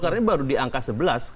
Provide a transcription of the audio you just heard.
kalau misalnya katakanlah tidak terdapat